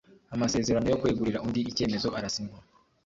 amasezerano yo kwegurira undi icyemezo arasinywa